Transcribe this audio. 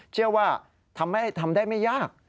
เชื่อว่าทำได้ไม่ยาก